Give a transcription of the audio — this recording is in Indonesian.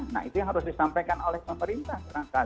nah itu yang harus disampaikan oleh pemerintah sekarang